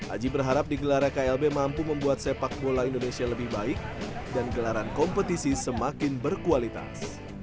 aji berharap digelarnya klb mampu membuat sepak bola indonesia lebih baik dan gelaran kompetisi semakin berkualitas